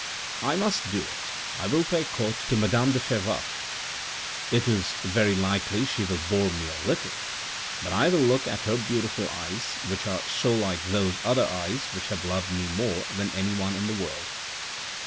" I must do it, I will pay court to madame de Fervaques. STRASBOURG 407 " It is very likely she will bore me a little, but I will look at her beautiful eyes which are so like those other eyes which have loved me more than anyone in the world.